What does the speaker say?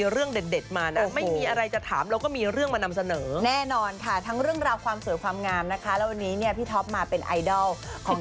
รูปร่างเราก็มีแคลัมป์มาฝากเหมือนกัน